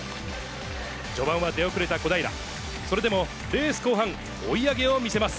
序盤は出遅れた小平、それでもレース後半、追い上げを見せます。